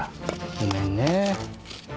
ごめんね。